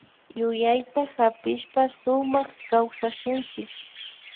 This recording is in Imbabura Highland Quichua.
Yuyayta hapishpa sumakta kawsashunchik